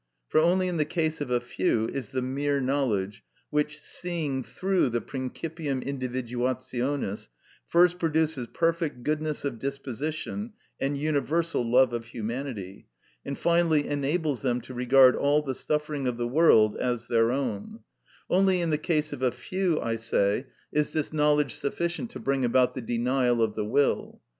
For only in the case of a few is the mere knowledge which, seeing through the principium individuationis, first produces perfect goodness of disposition and universal love of humanity, and finally enables them to regard all the suffering of the world as their own; only in the case of a few, I say, is this knowledge sufficient to bring about the denial of the will.